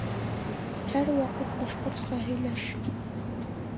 Һәр ваҡыт башҡортса һөйләш